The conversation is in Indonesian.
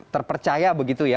terpercaya begitu ya